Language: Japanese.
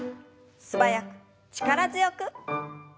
素早く力強く。